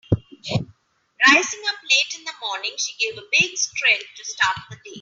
Rising up late in the morning she gave a big stretch to start the day.